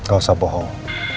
gak usah bohong